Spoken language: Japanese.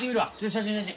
写真写真。